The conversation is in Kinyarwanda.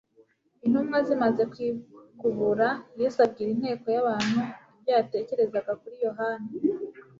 Intumwa zimaze kwikubura Yesu abwira inteko y'abantu ibyo yatekerezaga kuri Yohana.